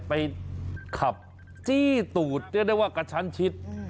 ไปขับจี้ตูดชั้นชิด